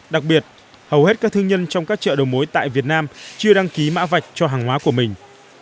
đặc biệt hầu hết các thương nhân trong các chợ đầu mối tại việt nam chưa đăng ký mã vạch cho hàng hóa của mình